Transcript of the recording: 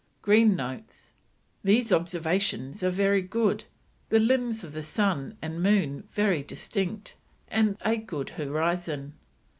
Green notes: "These observations were very good, the limbs of the sun and moon very distinct, and a good horizon.